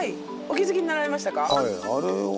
お気付きになられましたか。